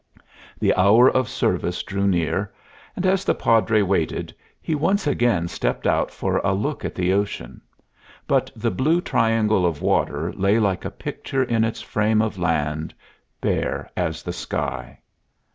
The hour of service drew near; and as the Padre waited he once again stepped out for a look at the ocean; but the blue triangle of water lay like a picture in its frame of land, bare as the sky.